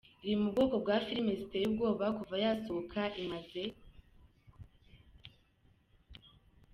Iri mu bwoko bwa filime ziteye ubwoba, kuva yasohoka imaze